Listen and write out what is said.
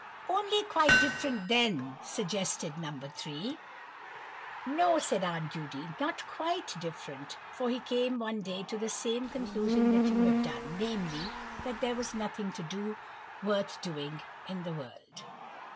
"Only quite different, then," suggested No. 3. "No," said Aunt Judy, "not quite different, for he came one day to the same conclusion that you have done, namely, that there was nothing to do, worth doing in the world."